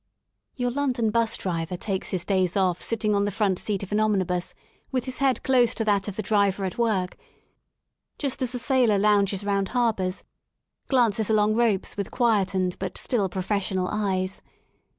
Your London 'bus driver takes his days off sitting on the front seat of an omnibus with his head close to that of the driver at work, just as the sailor lounges round 128 LONDON AT LEISURE ,harbourSj glances along ropes with quietened but still professional eyes.